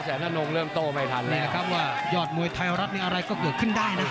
แสน่านงเริ่มโตไม่ทันแน่ครับว่ายอดมวยไทยอุทัลย์อะไรก็จะขึ้นได้น่ะ